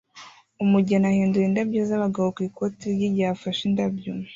Umugeni ahindura indabyo z'abagabo ku ikoti rye igihe afashe indabyo